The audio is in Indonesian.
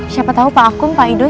siapa tahu pak akung pak idul